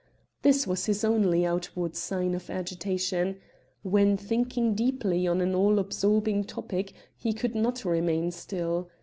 This was his only outward sign of agitation. When thinking deeply on any all absorbing topic, he could not remain still.